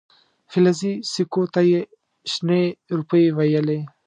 فلزي سکو ته یې شنې روپۍ ویلې.